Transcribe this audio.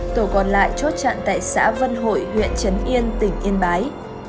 tổ còn lại chốt chặn tại xã vân hội huyện trấn yên tỉnh yên bái